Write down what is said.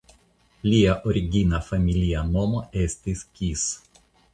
Lia origina familia nomo estis "Kis".